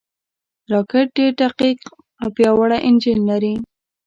راکټ ډېر دقیق او پیاوړی انجن لري